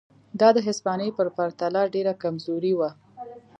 دا د هسپانیې په پرتله ډېره کمزورې وه.